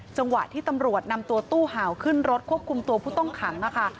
จังหวะที่ตำรวจนำตัวตู้ห่าวขึ้นรถควบคุมตัวผู้ต้องขังค่ะ